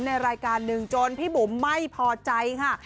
ในรายการหนึ่งจนพี่บุ๋มไม่พอใจค่ะ